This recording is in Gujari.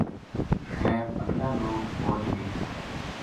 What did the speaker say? خیر ا گلا لوک فوج نے